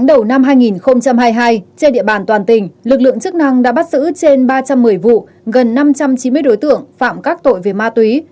đầu năm hai nghìn hai mươi hai trên địa bàn toàn tỉnh lực lượng chức năng đã bắt giữ trên ba trăm một mươi vụ gần năm trăm chín mươi đối tượng phạm các tội về ma túy